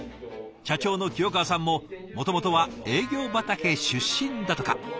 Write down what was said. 社長の清川さんももともとは営業畑出身だとか。